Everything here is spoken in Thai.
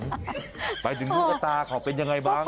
หมายถึงลูกตาเขาเป็นยังไงบ้าง